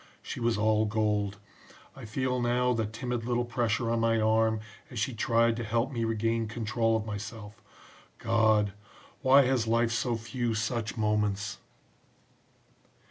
She was all gold. I feel now the timid little pressure on my arm as she tried to help me regain control of myself. God! why has life so few such moments!"